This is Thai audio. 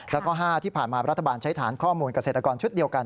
แล้วก็๕ที่ผ่านมารัฐบาลใช้ฐานข้อมูลเกษตรกรชุดเดียวกัน